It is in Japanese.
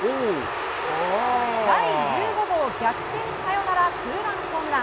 第１５号逆転サヨナラツーランホームラン。